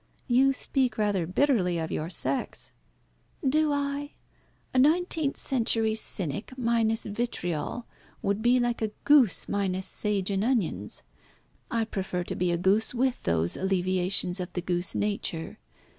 "You speak rather bitterly of your sex." "Do I? A nineteenth century cynic minus vitriol would be like a goose minus sage and onions. I prefer to be a goose with those alleviations of the goose nature.